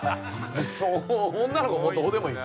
女の子もうどうでもいい。